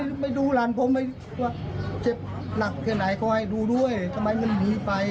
อื้อหลานผมหนึ่งดูข้าง